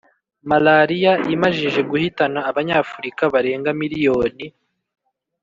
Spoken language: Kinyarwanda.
Malaria imajije guhitana abanyafurika barenga miliyoni